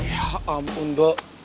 ya ampun dok